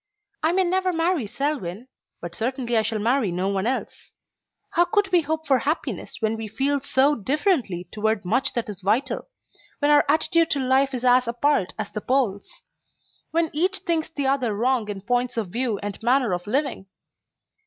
I may never marry Selwyn, but certainly I shall marry no one else. How could we hope for happiness when we feel so differently toward much that is vital, when our attitude to life is as apart as the poles? When each thinks the other wrong in points of view and manner of living?